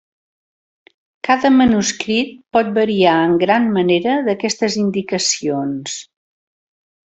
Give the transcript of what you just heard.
Cada manuscrit pot variar en gran manera d'aquestes indicacions.